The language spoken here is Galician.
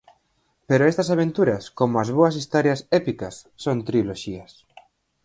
Pero estas aventuras, como as boas historias épicas, son triloxías.